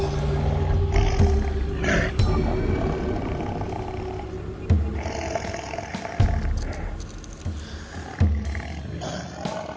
mereka mau menang sebelah